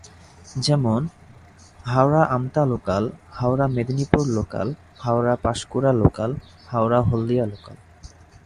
যেমন- হাওড়া-আমতা local, Howrah-Medinipur local, Howrah-Panskura local, Howrah-Haldia local.